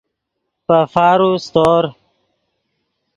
پے فارو سیتور